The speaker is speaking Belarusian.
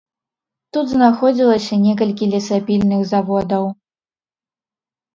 Тут знаходзілася некалькі лесапільных заводаў.